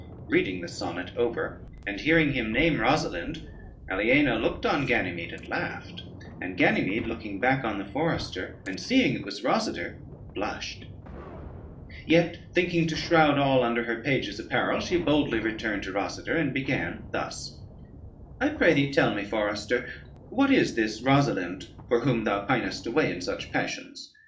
Reading the sonnet over, and hearing him name Rosalynde, Aliena looked on Ganymede and laughed, and Ganymede looking back on the forester, and seeing it was Rosader, blushed; yet thinking to shroud all under her page's apparel, she boldly returned to Rosader, and began thus: "I pray thee tell me, forester, what is this Rosalynde for whom thou pinest away in such passions?